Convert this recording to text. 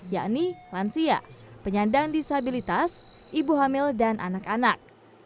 yakni lansia penyandang disabilitas ibu hamil dan anak anak